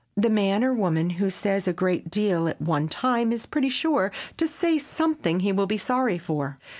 The man or woman who says a great deal at one time is pretty sure to say something he will be sorry for.